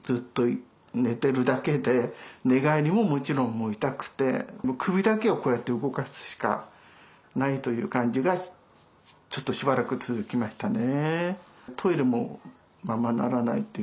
ところが痛みは日に日に増し首だけをこうやって動かすしかないという感じがちょっとしばらく続きましたね。